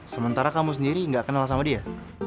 sementara kamu sendiri nggak kenal sama dia